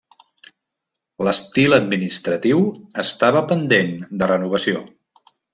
L'estil administratiu estava pendent de renovació.